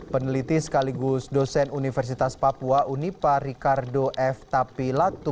peneliti sekaligus dosen universitas papua unipa ricardo f tapilatu